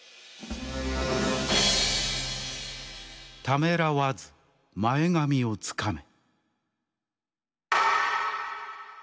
「ためらわず前髪をつかめ！」。